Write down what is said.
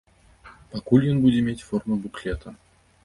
Пакуль ён будзе мець форму буклета.